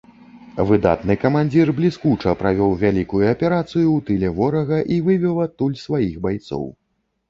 Выдатны камандзір бліскуча правёў вялікую аперацыю ў тыле ворага і вывеў адтуль сваіх байцоў.